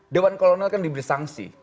dewan kolonel kan diberi sanksi